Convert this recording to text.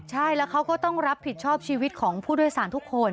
ใช่แล้วเขาก็ต้องรับผิดชอบชีวิตของผู้โดยสารทุกคน